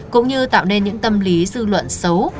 cũng như tạo nên những tâm lý dư luận xấu